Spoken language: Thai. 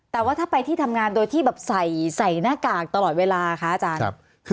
แต่ว่าถ้าไปที่ทำงานโดยที่แบบใส่หน้ากากตลอดเวลาคะอาจารย์